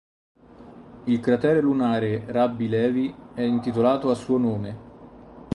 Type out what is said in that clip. Il cratere lunare "Rabbi Levi" è intitolato a suo nome.